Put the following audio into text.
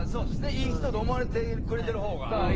いい人と思われてくれてる方が。